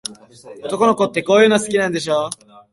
男の子って、こういうの好きなんでしょ。